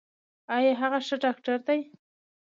ایا هغه ښه ډاکټر دی؟